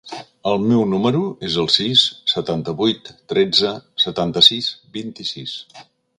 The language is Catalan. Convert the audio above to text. El meu número es el sis, setanta-vuit, tretze, setanta-sis, vint-i-sis.